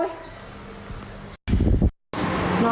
ฮิวอุ่อหิวอท